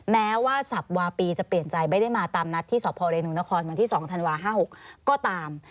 แม้ว่าสับวาปีจะเปลี่ยนใจไม่ได้มาตามนัดที่สพเรนูนครวันที่๒ธันวา๕๖ก็ตาม